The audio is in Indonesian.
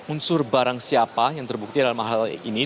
unsur barang siapa yang terbukti dalam hal ini